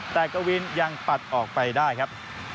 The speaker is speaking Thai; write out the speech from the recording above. แต่กวินยังปัดออกไปได้ครับ